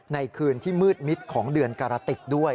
ในคืนที่มืดมิดของเดือนการติกด้วย